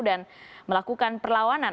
dan melakukan perlawanan